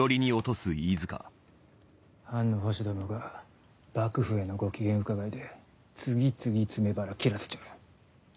藩の保守どもが幕府へのご機嫌伺いで次々詰め腹を切らせちょる。